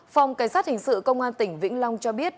phòng cảnh sát hình sự công an tỉnh vĩnh long cho biết